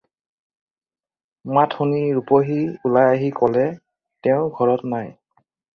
মাত শুনি ৰূপহী ওলাই আহি ক'লে- "তেওঁ ঘৰত নাই।"